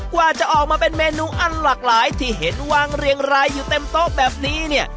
กว่าจะออกมาเป็นเมนูอันหลากหลายที่เห็นวางเรียงรายอยู่เต็มโต๊ะแบบนี้เนี่ย